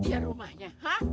ini dia rumahnya